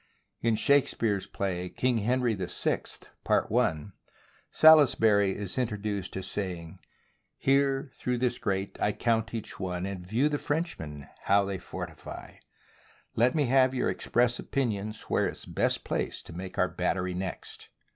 In Shakespeare's play, " King Henry VI, Part I," Salisbury is in troduced as saying : THE BOOK OF FAMOUS SIEGES Here, through this grate, I count each one, And view the Frenchmen how they fortify: Let me have your express opinions Where is best place to make our battery next.